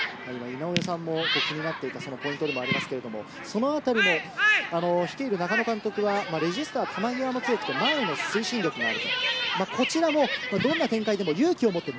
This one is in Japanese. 井上さんも気になってる、そのポイントでもありますけれど、そのあたりを率いる中野監督は、レジスタは球際が強くて前の推進力もある。